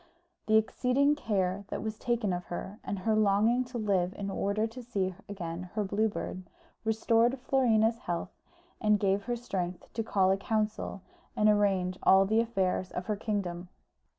The exceeding care that was taken of her, and her longing to live in order to see again her Blue Bird, restored Florina's health, and gave her strength to call a council and arrange all the affairs of her kingdom.